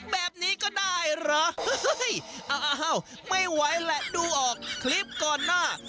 ไม่ไหวและดูออกคลิปก่อนหน้า